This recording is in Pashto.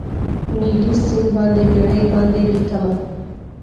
نیلي سیند باندې بیړۍ باندې لیکمه